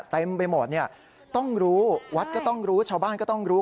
เต็มไปหมดเนี่ยต้องรู้วัดก็ต้องรู้ชาวบ้านก็ต้องรู้